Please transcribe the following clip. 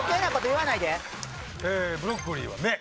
ブロッコリーは「芽」。